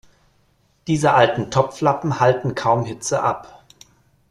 Diese alten Topflappen halten kaum Hitze ab.